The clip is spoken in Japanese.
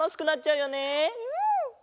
うん！